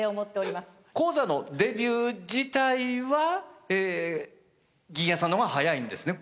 高座のデビュー自体は銀冶さんの方が早いんですね。